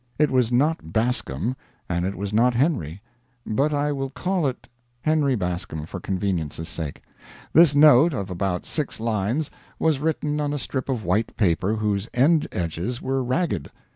It was not Bascom, and it was not Henry; but I will call it Henry Bascom for convenience's sake. This note, of about six lines, was written on a strip of white paper whose end edges were ragged.